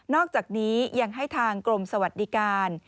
อกจากนี้ยังให้ทางกรมสวัสดิการ